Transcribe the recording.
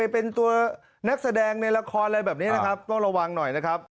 เป็นตัวนักแสดงในละครอะไรแบบนี้นะครับต้องระวังหน่อยนะครับ